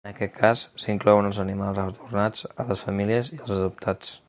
En aquest cas s’inclouen els animals retornats a les famílies i els adoptats.